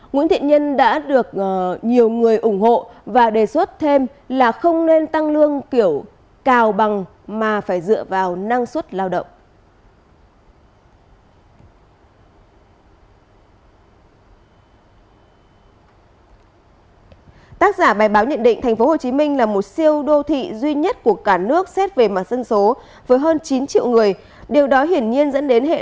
nguyễn thiện nhân đã được nhiều người ủng hộ và đề xuất thêm là không nên tăng lương kiểu cao bằng mà phải dựa vào năng suất lao động